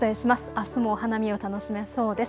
あすもお花見を楽しめそうです。